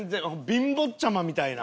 びんぼっちゃまみたいな。